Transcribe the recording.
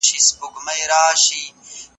ټال د ځنډ او انتظار مانا ورکوي.